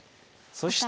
そして。